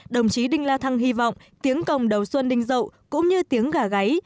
đồng chí đinh la thăng hy vọng tiếng cầm đầu xuân đinh dậu cũng như tiếng gà gáy